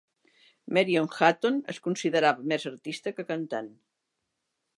Marion Hutton es considerava més artista que cantant.